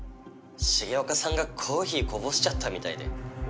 重岡さんがコーヒーこぼしちゃったみたいで。